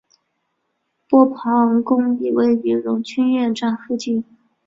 波旁宫也位于荣军院站附近。